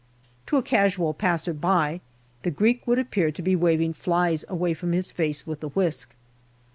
To a casual passer by the Greek would appear to be waving flies away from his face with the whisk.